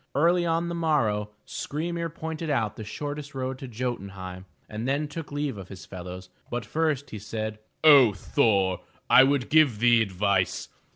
Early on the morrow, Skry'mir pointed out the shortest road to Jo'tun heim, and then took leave of his fellows. But first he said: 0 Thor, I would give thee advice.